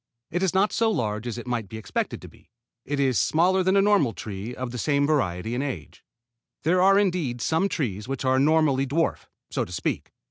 It is not so large as it might be expected to be. It is smaller than a normal tree of the same variety and age. There are indeed some trees which are normally dwarf, so to speak.